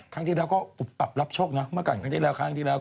ครั้งที่แล้วก็ปรับรับโชคนะเมื่อก่อนครั้งที่แล้ว